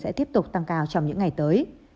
sẽ tiếp tục tăng cao trong những ngày tới